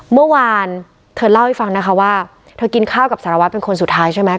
เมื่อวานเธอเล่าให้ฟังนะคะว่าเธอกินข้าวกับสารวัตรเป็นคนสุดท้ายใช่ไหม